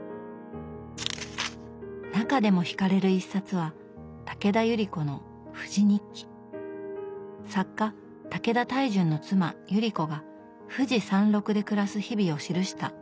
中でも惹かれる一冊は作家武田泰淳の妻百合子が富士山麓で暮らす日々を記した名作です。